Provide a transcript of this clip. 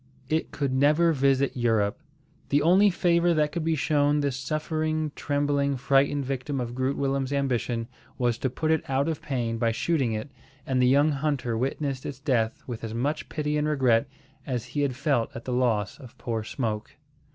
It could never visit Europe. The only favour that could be shown this suffering, trembling, frightened victim of Groot Willem's ambition was to put it out of pain by shooting it, and the young hunter witnessed its death with as much pity and regret as he had felt at the loss of poor Smoke.